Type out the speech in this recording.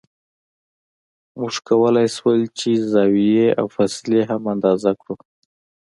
موږ کولای شو چې زاویې او فاصلې هم اندازه کړو